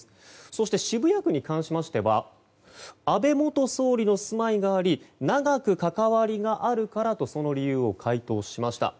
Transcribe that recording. そして、渋谷区に関しましては安倍元総理の住まいがあり長く関わりがあるからとその理由を回答しました。